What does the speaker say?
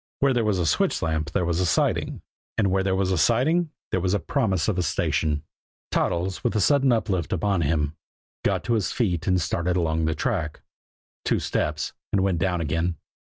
Where there was a switch lamp there was a siding, and where there was a siding there was promise of a station. Toddles, with the sudden uplift upon him, got to his feet and started along the track two steps and went down again.